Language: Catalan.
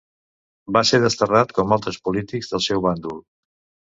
Va ser desterrat com altres polítics del seu bàndol.